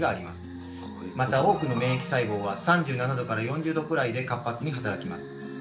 また多くの免疫細胞は３７４０℃くらいで活発に働きます。